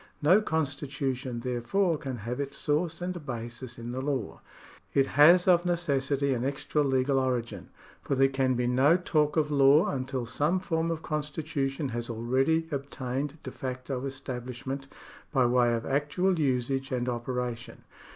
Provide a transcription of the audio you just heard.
No con stitution, therefore, can have its source and basis in the law. It has of necessity an extra legal origin, for there can be no talk of law, until some form of constitution has already ob tained de facto establishment by way of actual usage and operation.